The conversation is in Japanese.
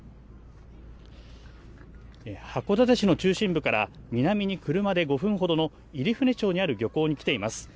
函館市の中心部から南に車で５分ほどの入船町にある漁港に来ています。